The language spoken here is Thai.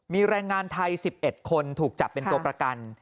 มีแรงงานไทย๑๑คนถูกจับเป็นตัวประกัน